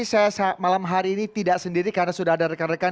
saya malam hari ini tidak sendiri karena sudah ada rekan rekan